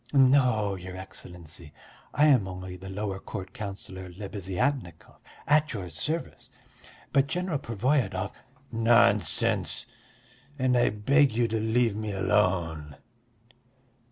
"No, your Excellency, I am only the lower court councillor Lebeziatnikov, at your service, but General Pervoyedov...." "Nonsense! And I beg you to leave me alone."